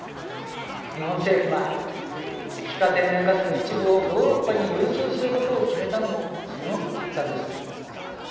日本政府が液化天然ガスの一部をヨーロッパに融通することを決めたのもその一環です。